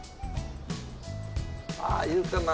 あいるかな。